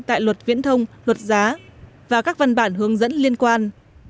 tại luật viễn thông luật giá và các văn bản hướng dẫn liên quan